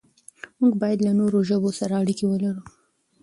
موږ بايد له نورو ژبو سره اړيکې ولرو.